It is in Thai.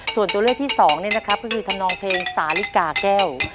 ส่วนตัวเลือกที่สองนี่นะครับก็คือทำนองเพลงสาลิกาแก้ว